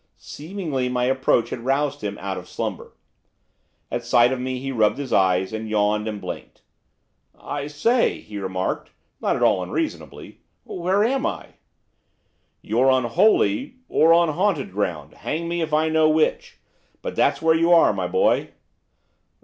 Seemingly my approach had roused him out of slumber. At sight of me he rubbed his eyes, and yawned, and blinked. 'I say,' he remarked, not at all unreasonably, 'where am I?' 'You're on holy or on haunted ground, hang me if I quite know which! but that's where you are, my boy.